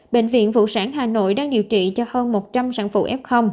bệnh viện phụ sản hà nội đang điều trị cho hơn một trăm linh sản phụ f